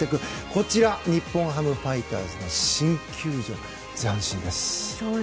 こちら日本ハムファイターズの新球場、斬新です。